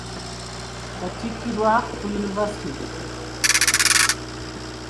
Watikkirirwa ku Yunivasite ki ?